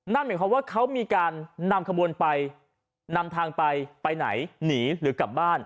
นั่นหมายความว่าเขามีการนำขบวนไปนำทางไปไปไหนหนีหรือกลับบ้าน